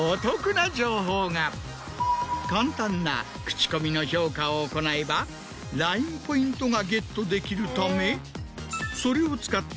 簡単な口コミの評価を行えばＬＩＮＥポイントがゲットできるためそれを使って。